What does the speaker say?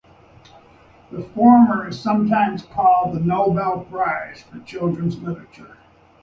The former is sometimes called the "Nobel Prize for children's literature".